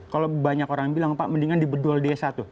kalau banyak orang bilang pak mendingan di bedul desa tuh